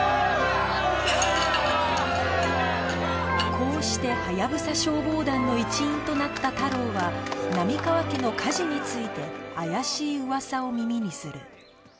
こうしてハヤブサ消防団の一員となった太郎は波川家の火事について怪しい噂を耳にする